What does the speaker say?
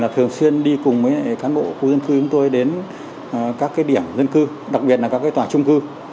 thường xuyên đi cùng với cán bộ khu dân cư chúng tôi đến các điểm dân cư đặc biệt là các tòa trung cư